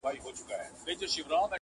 درد له نسل څخه تېرېږي تل